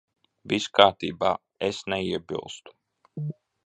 Viss kārtībā. Es neiebilstu.